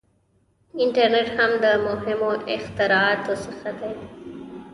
• انټرنېټ هم د مهمو اختراعاتو څخه دی.